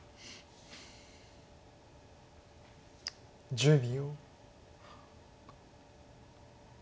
１０秒。